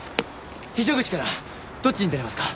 非常口からどっちに出れますか？